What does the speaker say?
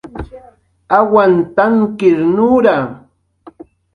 awantankir nura